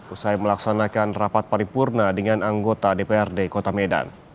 usai melaksanakan rapat paripurna dengan anggota dprd kota medan